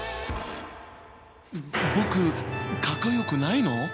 僕かっこよくないの？